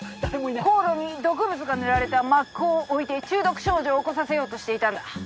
香炉に毒物が塗られた抹香を置いて中毒症状を起こさせようとしていたんだ。